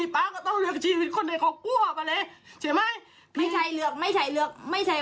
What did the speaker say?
ป๊าก็ต้องภาพกินประหลาด